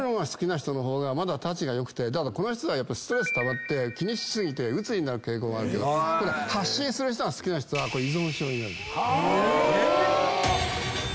この人はストレスたまって気にし過ぎて鬱になる傾向があるけど発信するのが好きな人はこれ依存症になる。